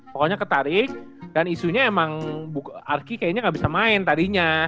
pokoknya ketarik dan isunya emang arki kayaknya nggak bisa main tadinya